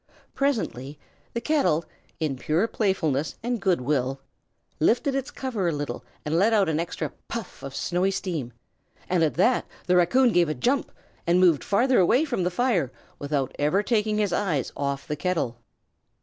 Presently the kettle, in pure playfulness and good will, lifted its cover a little and let out an extra puff of snowy steam; and at that the raccoon gave a jump, and moved farther away from the fire, without ever taking his eyes off the kettle.